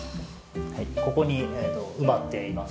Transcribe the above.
ここに埋まっています。